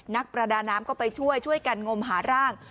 นักประดาน้ำก็ไปช่วยช่วยกันงมหาร่าง